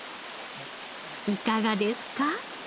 いかがですか？